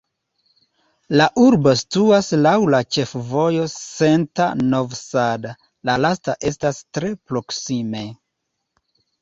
La urbo situas laŭ la ĉefvojo Senta-Novi Sad, la lasta estas tre proksime.